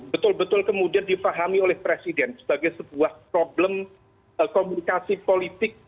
betul betul kemudian difahami oleh presiden sebagai sebuah problem komunikasi politik